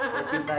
kayak gitu ya